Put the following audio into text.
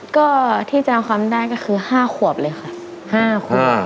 ก็ที่จะเอาความได้ก็คือ๕ขวบเลยค่ะ